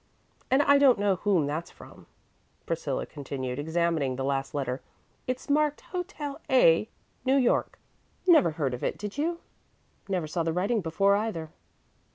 And I don't know whom that's from," Priscilla continued, examining the last letter. "It's marked 'Hotel A , New York.' Never heard of it, did you? Never saw the writing before, either."